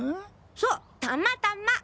そうたまたま。